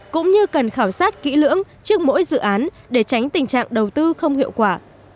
cũng như cần khảo sát kỹ lưỡng trước mỗi dự án để tránh tình trạng đầu tư không hiệu quả